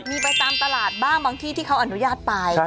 มีไปตามตลาดบ้างบางที่ที่เขาอนุญาตไป